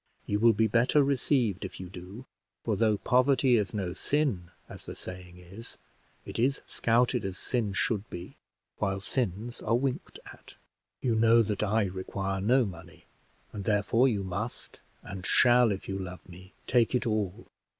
You will be better received if you do; for, though poverty is no sin, as the saying is, it is scouted as sin should be, while sins are winked at. You know that I require no money, and, therefore, you must and shall, if you love me, take it all."